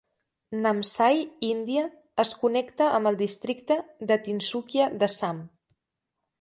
Namsai, Índia, es connecta amb el districte de Tinsukia d'Assam.